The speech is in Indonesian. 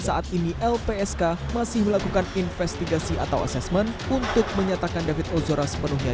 saat ini lpsk masih melakukan investigasi atau asesmen untuk menyatakan david ozora sepenuhnya